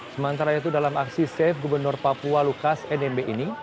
sementara itu dalam aksi safe gubernur papua lukas nmb ini